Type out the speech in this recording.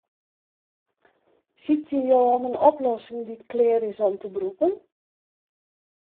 Sykje jo om in oplossing dy't klear is om te brûken?